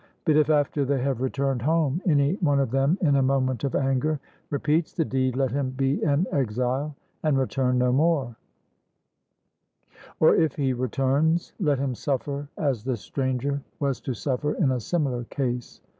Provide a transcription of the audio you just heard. But if after they have returned home, any one of them in a moment of anger repeats the deed, let him be an exile, and return no more; or if he returns, let him suffer as the stranger was to suffer in a similar case.